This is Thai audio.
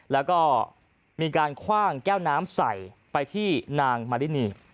แล้วก็มีการคว่างแก้วน้ำใส่ไปที่นางมารินี